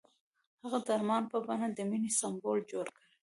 هغه د آرمان په بڼه د مینې سمبول جوړ کړ.